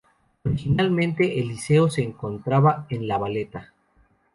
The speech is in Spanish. Originalmente, el liceo se encontraba en La Valeta.